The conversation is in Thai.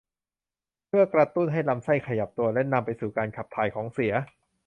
เพื่อกระตุ้นให้ลำไส้ขยับตัวและนำไปสู่การขับถ่ายของเสีย